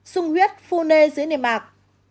xung huyết phu nê dưới nề mạc